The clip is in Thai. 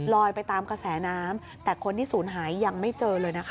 ไปตามกระแสน้ำแต่คนที่ศูนย์หายยังไม่เจอเลยนะคะ